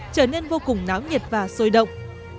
trở nên vô cùng náo nhiệt và sôi động